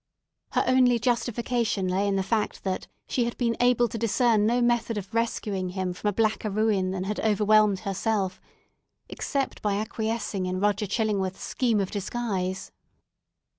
Her only justification lay in the fact that she had been able to discern no method of rescuing him from a blacker ruin than had overwhelmed herself except by acquiescing in Roger Chillingworth's scheme of disguise.